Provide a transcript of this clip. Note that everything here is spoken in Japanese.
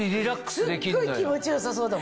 すっごい気持ち良さそうだもん。